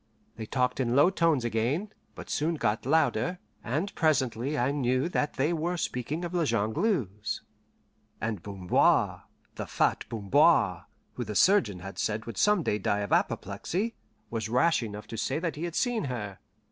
They talked in low tones again, but soon got louder, and presently I knew that they were speaking of La Jongleuse; and Bamboir the fat Bamboir, who the surgeon had said would some day die of apoplexy was rash enough to say that he had seen her.